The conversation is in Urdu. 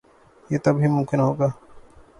یہ تب ہی ممکن ہو گا۔